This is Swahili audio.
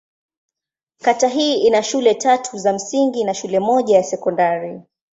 Kata hii ina shule tatu za msingi na shule moja ya sekondari.